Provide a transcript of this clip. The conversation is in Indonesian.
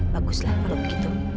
baguslah kalau begitu